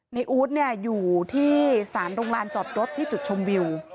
นี่อู๊ดอยู่ที่สารโรงลานจอดรถที่จุดชมวิว